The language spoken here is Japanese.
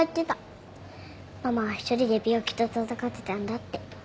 ママは１人で病気と闘ってたんだって。